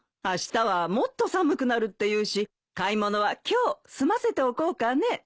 あしたはもっと寒くなるっていうし買い物は今日済ませておこうかね。